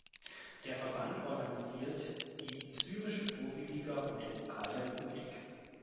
Der Verband organisiert die Syrische Profiliga und den Pokal der Republik.